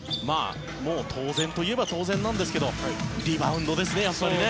もう当然と言えば当然なんですけどリバウンドですね、やっぱりね。